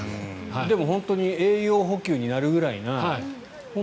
でも本当に栄養補給になるぐらいな。